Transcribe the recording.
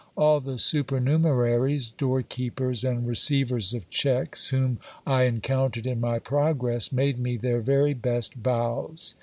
All the supernumeraries, door keepers, and 250 GIL BLAS. receivers of checks whom I encountered in my progress, made me their very best bows.